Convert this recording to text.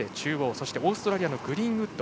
そしてオーストラリアのグリーンウッド。